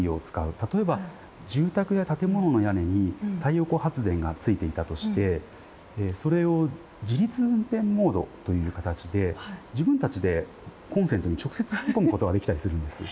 例えば住宅や建物の屋根に太陽光発電がついていたとしてそれを自立運転モードという形で自分たちでコンセントに直接引き込むことができたりするんですね。